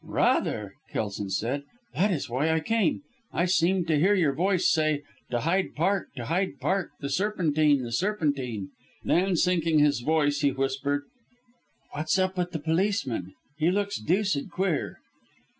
"Rather!" Kelson said. "That is why I came. I seemed to hear your voice say 'To Hyde Park to Hyde Park the Serpentine the Serpentine.'" Then sinking his voice he whispered, "What's up with the policeman, he looks deuced queer?"